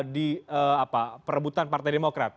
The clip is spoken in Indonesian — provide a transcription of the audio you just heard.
di perebutan partai demokrat